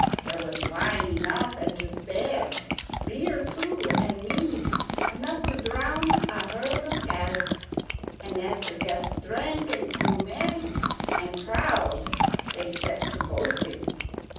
There was wine enough and to spare, beer too, and mead enough to drown a herd of cattle. And as the guests drank and grew merry and proud they set to boasting.